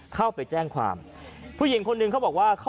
เขาถูก